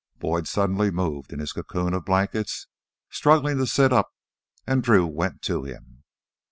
Boyd suddenly moved in his cocoon of blankets, struggling to sit up, and Drew went to him.